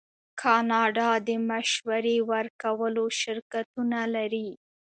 کاناډا د مشورې ورکولو شرکتونه لري.